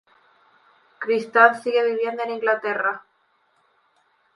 Christiane sigue viviendo en Inglaterra.